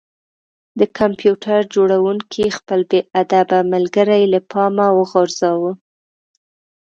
د کمپیوټر جوړونکي خپل بې ادبه ملګری له پامه وغورځاوه